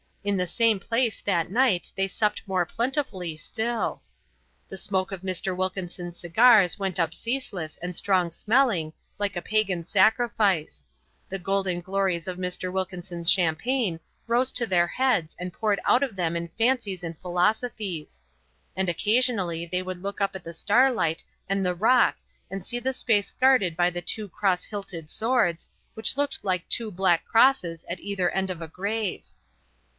In the same place that night they supped more plentifully still. The smoke of Mr. Wilkinson's cigars went up ceaseless and strong smelling, like a pagan sacrifice; the golden glories of Mr. Wilkinson's champagne rose to their heads and poured out of them in fancies and philosophies. And occasionally they would look up at the starlight and the rock and see the space guarded by the two cross hilted swords, which looked like two black crosses at either end of a grave.